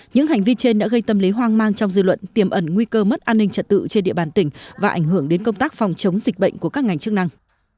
những hành vi trên đã gây tâm lý hoang mang trong dư luận tiềm ẩn nguy cơ mất an ninh trật tự trên địa bàn tỉnh và ảnh hưởng đến công tác phòng chống dịch bệnh của các ngành chức năng